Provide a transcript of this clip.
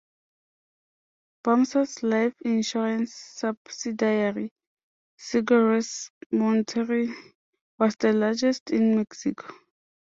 Vamsa's life-insurance subsidiary, Seguros Monterrey, was the largest in Mexico.